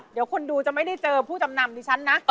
เดี๋ยวคนดูจะไม่ได้เจอผู้จำนำดิฉันนะ